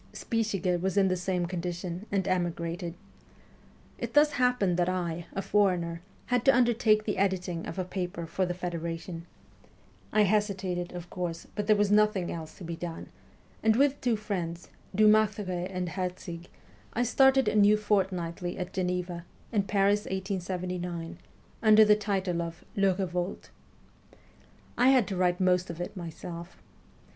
Spichiger was in the same condition, and emigrated. It thus happened that I, a foreigner, had to undertake the editing of a paper for the federation. I hesitated, of course, but there was nothing else to be done, and with two friends, Dumartheray and Herzig, I started a new fortnightly at Geneva, in February 1879, under the title of 'Le BevolteV I had to write most of it WESTERN EUROPE 227 myself.